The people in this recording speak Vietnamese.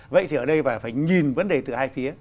vậy thì ở đây và phải nhìn vấn đề từ hai phía